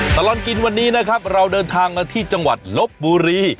ตลอดกินวันนี้นะครับเราเดินทางมาที่จังหวัดลบบุรี